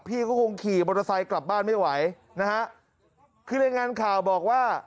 พี่ก็คงขี่มอเตอร์ไซค์กลับบ้านไม่ไหวนะฮะคือรายงานข่าวบอกว่า